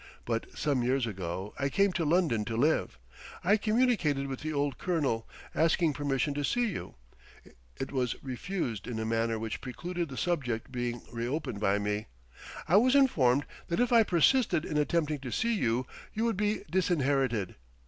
But some years ago, I came to London to live. I communicated with the old colonel, asking permission to see you. It was refused in a manner which precluded the subject being reopened by me: I was informed that if I persisted in attempting to see you, you would be disinherited....